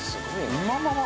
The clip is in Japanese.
◆うままま！